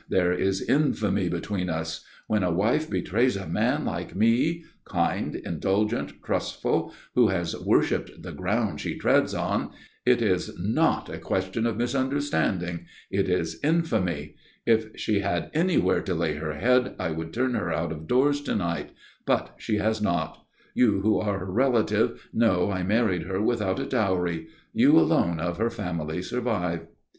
There is infamy between us. When a wife betrays a man like me kind, indulgent, trustful, who has worshipped the ground she treads on it is not a question of misunderstanding. It is infamy. If she had anywhere to lay her head, I would turn her out of doors to night. But she has not. You, who are her relative, know I married her without a dowry. You alone of her family survive."